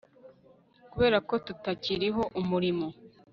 Kuberako tutakiriho umuriro